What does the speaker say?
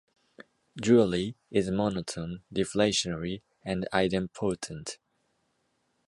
Dually, is monotone, deflationary, and idempotent.